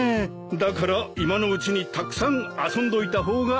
だから今のうちにたくさん遊んどいた方がいいからね。